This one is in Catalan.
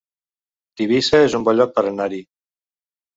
Tivissa es un bon lloc per anar-hi